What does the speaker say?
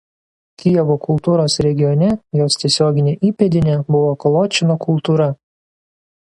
Kijevo kultūros regione jos tiesioginė įpėdinė buvo Koločino kultūra.